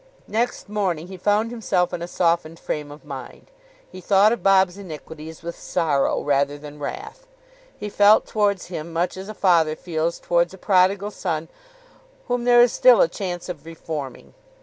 Next morning he found himself in a softened frame of mind. He thought of Bob's iniquities with sorrow rather than wrath. He felt towards him much as a father feels towards a prodigal son whom there is still a chance of reforming.